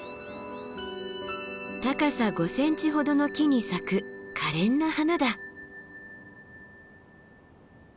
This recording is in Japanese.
高さ５ｃｍほどの木に咲くかれんな花だ。